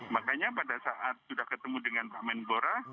makanya pada saat sudah ketemu dengan pak menpora